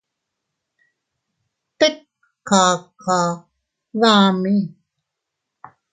Tet kaka dami.